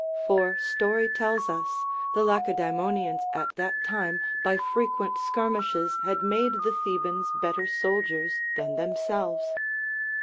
For story tells us, the Lacedae monians at that time by frequent skirmishes had made the Thebans better soldiers than themselves.